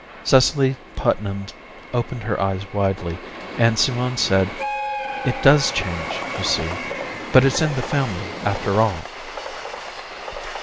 Cecily Putnam opened her eyes widely, and Simone said, "It does change, you see. But it's in the family, after all."